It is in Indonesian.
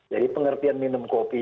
jadi pengertian minum kopi